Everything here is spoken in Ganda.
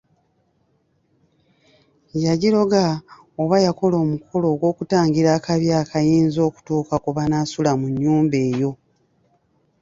Yagiroga oba y’akola omukolo gw’okutangira akabi akayinza okutuuka ku banaasula mu nnyumba eyo.